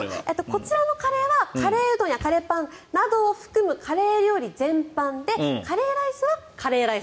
こちらのカレーはカレーうどんやカレーパンなどを含むカレー料理全般でカレーライスはカレーライス。